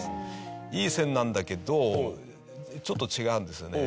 いい線なんだけどちょっと違うんですよね。